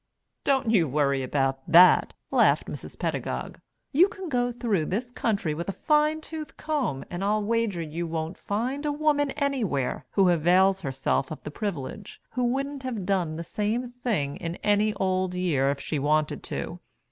"Don't you worry about that," laughed Mrs. Pedagog. "You can go through this country with a fine tooth comb and I'll wager you you won't find a woman anywhere who avails herself of the privilege who wouldn't have done the same thing in any old year if she wanted to.